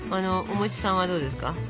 お餅さんはどうですか？